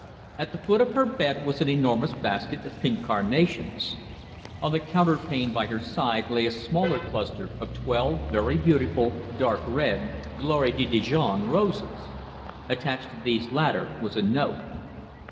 At the foot of her bed was an enormous basket of pink carnations. On the counterpane by her side lay a smaller cluster of twelve very beautiful dark red Gloire de Dijon roses. Attached to these latter was a note.